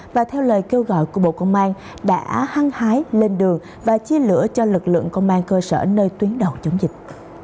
và theo lời kêu gọi của bộ công an đã hăng hái lên đường và chia lửa cho lực lượng công an cơ sở nơi tuyến đầu chống dịch